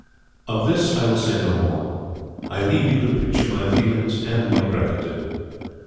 Of this I will say no more. I leave you to picture my feelings and my gratitude.